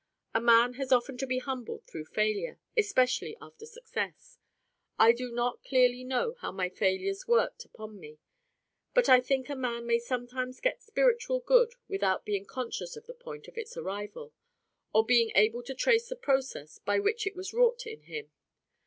A man has often to be humbled through failure, especially after success. I do not clearly know how my failures worked upon me; but I think a man may sometimes get spiritual good without being conscious of the point of its arrival, or being able to trace the process by which it was wrought in him.